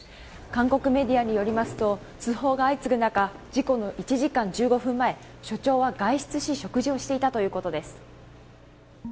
韓国メディアによりますと通報が相次ぐ中事故の１時間１５分前、署長は外出し食事をしていたということです。